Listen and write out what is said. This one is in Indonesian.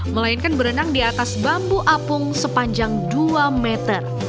melainkan berenang di atas bambu apung sepanjang dua meter